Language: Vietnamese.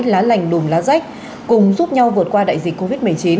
lá lành đùm lá rách cùng giúp nhau vượt qua đại dịch covid một mươi chín